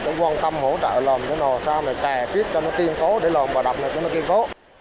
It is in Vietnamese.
để quan tâm hỗ trợ làm cái nồi sau này kè phiết cho nó tiên cố để lồng vào đập này cho nó tiên cố